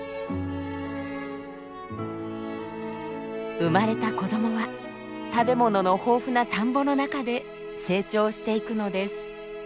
生まれた子どもは食べ物の豊富な田んぼの中で成長していくのです。